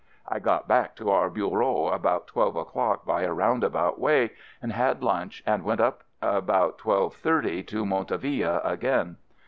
I got back to our Bureau about twelve o'clock by a roundabout way, and had lunch and went up about twelve thirty to Montauville again.